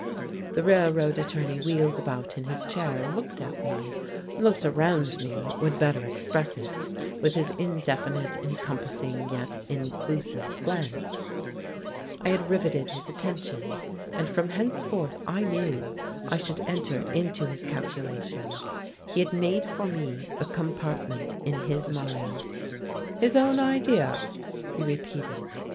The railroad attorney wheeled about in his chair and looked at me; looked around me, would better express it, with his indefinite, encompassing yet inclusive glance. I had riveted his attention. And from henceforth, I knew, I should enter into his calculations. He had made for me a compartment in his mind. "His own idea!" he repeated.